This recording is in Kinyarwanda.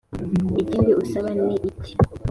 ikindi usaba ni iki?